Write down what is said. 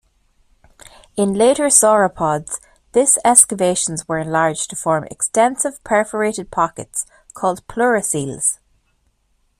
In later sauropods, this excavations were enlarged to form extensive perforated pockets called pleurocoels.